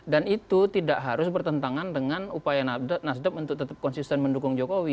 dan itu tidak harus bertentangan dengan upaya nasdem untuk tetap konsisten mendukung jokowi